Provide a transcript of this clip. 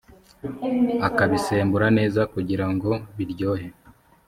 akabisembura neza kugirango biryohe